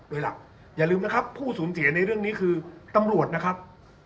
โดยหลักอย่าลืมนะครับผู้สูญเสียในเรื่องนี้คือตำรวจนะครับ